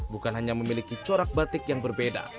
bukan hanya memiliki corak batik yang berbeda